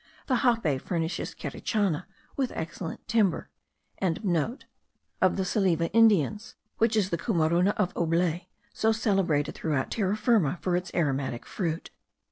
The jape furnishes Carichana with excellent timber.) of the Salive Indians, which is the Coumarouna of Aublet, so celebrated throughout Terra Firma for its aromatic fruit.